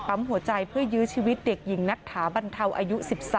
หัวใจเพื่อยื้อชีวิตเด็กหญิงนัทถาบรรเทาอายุ๑๓